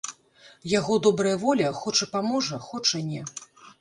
Яго добрая воля, хоча паможа, хоча не.